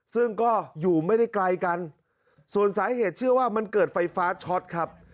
ซึ่งก็อยู่ไม่ได้ไกลกันส่วนสาเหตุเชื่อว่ามันเกิดไฟฟ้าช็อตครับ